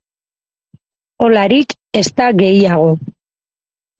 Olarik ez da gehiago.